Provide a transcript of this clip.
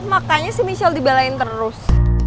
makanya michelle dibalain terus